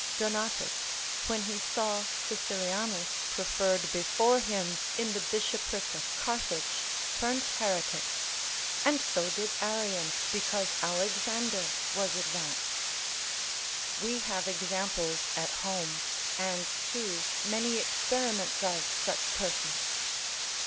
Donatus, when he saw Cecilianus preferred before him in the bishopric of Carthage, turned heretic, and so did Arian, because Alexander was advanced: we have examples at home, and too many experiments of such persons.